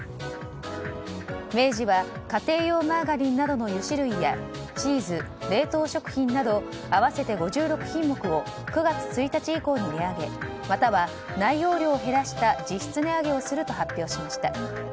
明治は家庭用マーガリンなどの油脂類やチーズ、冷凍食品など合わせて５６品目を９月１日以降に値上げまたは内容量を減らした実質値上げをすると発表しました。